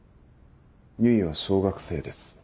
唯は小学生です。